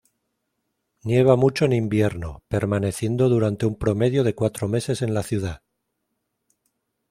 Nieva mucho en invierno, permaneciendo durante un promedio de cuatro meses en la ciudad.